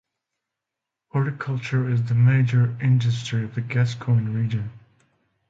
Horticulture is the major industry of the Gascoyne region.